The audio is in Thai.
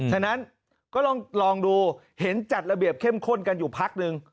ฉะนั้นก็ลองดูเห็นจัดระเบียบเข้มข้นกันอยู่พักนึง